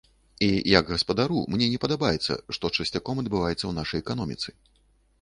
І як гаспадару мне не падабаецца, што часцяком адбываецца ў нашай эканоміцы.